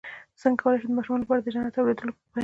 څنګه کولی شم د ماشومانو لپاره د جنت د اوریدلو بیان کړم